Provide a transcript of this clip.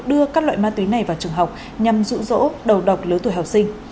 đưa các loại ma túy này vào trường học nhằm dụ dỗ đầu độc lớn tuổi học sinh